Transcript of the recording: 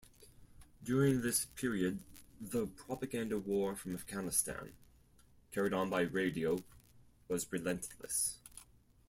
During this period, the propaganda war from Afghanistan, carried on by radio, was relentless.